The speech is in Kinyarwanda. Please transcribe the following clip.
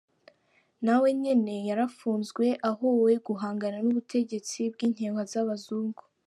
Nawe nyene yarapfunzwe ahowe guhangana n'ubutegetsi bw'inkehwa z'abazungu.